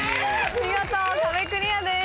見事壁クリアです。